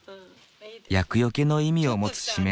厄よけの意味を持つしめ縄。